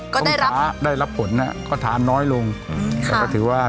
ก็ได้รับได้รับผลน่ะก็ทานน้อยลงอืมค่ะแต่ก็ถือว่า